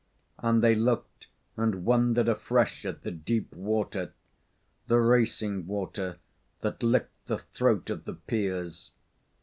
And they looked and wondered afresh at the deep water, the racing water that licked the throat of the piers.